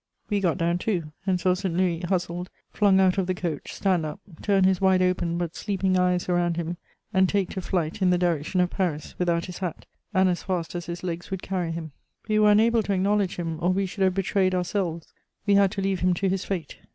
We got down too, and saw Saint Louis hustled, flung out of the coach, stand up, turn his wide open but sleeping eyes around him, and take to flight in the direction of Paris, without his hat, and as fast as his legs would carry him. We were unable to acknowledge him, or we should have betrayed ourselves; we had to leave him to his fate.